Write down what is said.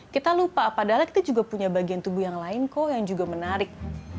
kita lupa padahal kita juga punya bagian tubuh yang lain kok yang juga menarik